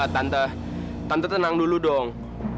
tante tenang dulu dong